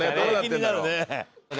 気になるね。